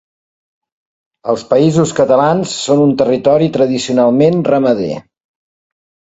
Els Països Catalans són un territori tradicionalment ramader.